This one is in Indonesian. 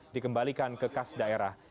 dikembalikan ke kas daerah